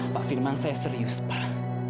pak firman saya serius pak